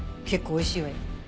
結構おいしいわよ。